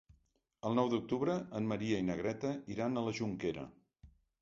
El nou d'octubre en Maria i na Greta iran a la Jonquera.